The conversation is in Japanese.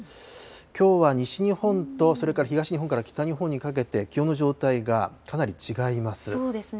きょうは西日本とそれから東日本から北日本にかけて、気温の状態そうですね、